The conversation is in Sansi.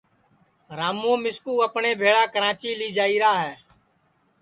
راموں مِسکُو اپٹؔے بھیݪا کراچی لی جائیرا ہے